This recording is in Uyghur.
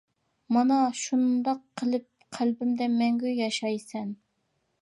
مانا شۇنداق قىلىپ قەلبىمدە مەڭگۈ ياشايسەن.